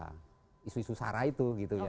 terkait dengan isu isu sara itu gitu ya